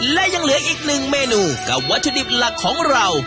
และยังเหลืออีกหนึ่งเมนูกับวัตถุดิบหลักของเรา